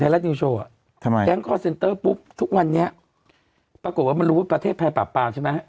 ไม่หยุดค่ะแก๊งคอร์เซ็นเตอร์ปุ๊บทุกวันนี้ปรากฏว่ามันรู้ว่าประเทศแพร่ปากปากใช่ไหม